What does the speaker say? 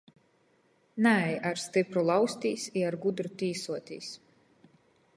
Naej ar stypru lauztīs i ar gudru tīsuotīs.